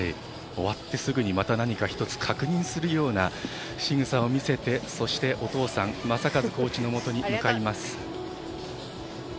終わってまたすぐにまた一つ確認するようなしぐさを見せてそしてお父さん正和コーチのもとに向かいます。